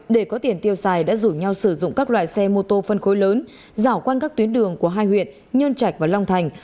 để có tiền tiêu xài đã rủ nhau sử dụng các loại xe mô tô phân khối lớn dảo quanh các tuyến đường của hai huyện nhơn trạch và long thành